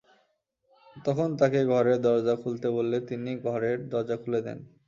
তখন তাঁকে ঘরের দরজা খুলতে বললে তিনি ঘরের দরজা খুলে দেন।